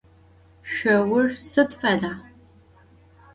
Şsour sıd feda?